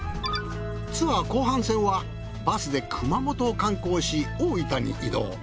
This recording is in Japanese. ツアー後半戦はバスで熊本を観光し大分に移動。